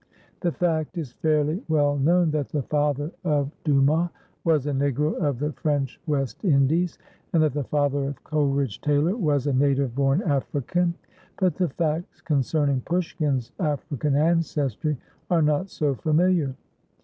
The fact is fairly well known that the father of Dumas was a Negro of the French West Indies, and that the father of Coleridge Taylor was a native born African; but the facts concerning Pushkin's African ancestry are not so familiar.